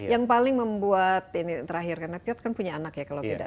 yang paling membuat ini terakhir karena piot kan punya anak ya kalau tidak